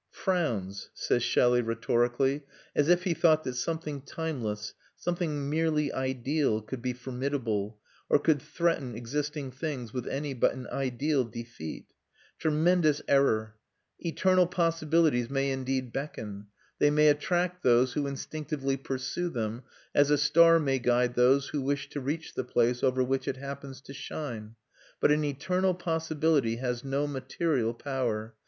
"Frowns," says Shelley rhetorically, as if he thought that something timeless, something merely ideal, could be formidable, or could threaten existing things with any but an ideal defeat. Tremendous error! Eternal possibilities may indeed beckon; they may attract those who instinctively pursue them as a star may guide those who wish to reach the place over which it happens to shine. But an eternal possibility has no material power.